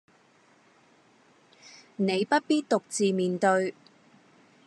你不必獨自面對